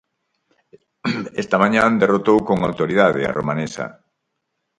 Esta mañá derrotou con autoridade a romanesa.